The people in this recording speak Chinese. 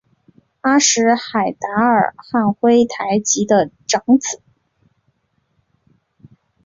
阿什海达尔汉珲台吉的长子。